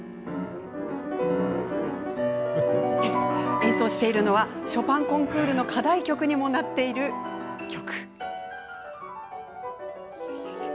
演奏しているのはショパンコンクールの課題曲にもなっている曲。